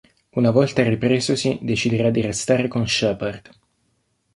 Una volta ripresosi, deciderà di restare con Shepard.